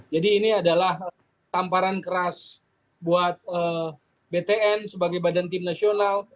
jadi ini adalah tamparan keras buat btn sebagai badan tim nasional